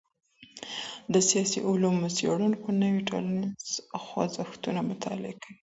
د سياسي علومو څېړونکي نوي ټولنيز خوځښتونه مطالعۀ کوي.